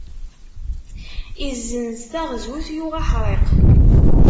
Izzenz taɣzut yuɣ aḥṛiq.